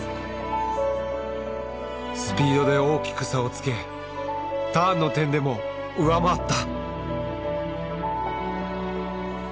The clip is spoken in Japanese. スピードで大きく差をつけターンの点でも上回った！